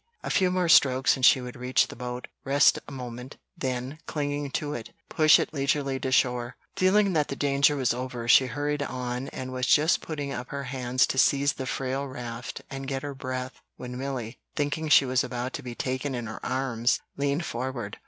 A few more strokes and she would reach the boat, rest a moment, then, clinging to it, push it leisurely to shore. Feeling that the danger was over, she hurried on and was just putting up her hands to seize the frail raft and get her breath when Milly, thinking she was to be taken in her arms, leaned forward.